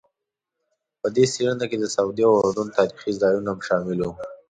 په دې څېړنه کې د سعودي او اردن تاریخي ځایونه هم شامل وو.